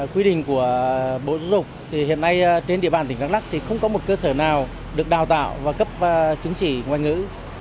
quy định của bộ giáo dục thì hiện nay trên địa bàn tỉnh đắk lắc thì không có một cơ sở nào được đào tạo và cấp chứng chỉ ngoại ngữ